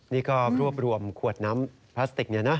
นี่ก็รวบรวมขวดน้ำพลาสติกเนี่ยนะ